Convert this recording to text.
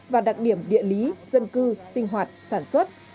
và đặc điểm địa lý dân cư sinh hoạt sản xuất